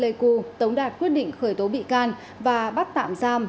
lê cu tống đạt quyết định khởi tố bị can và bắt tạm giam